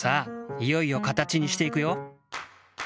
いよいよかたちにしていくよ。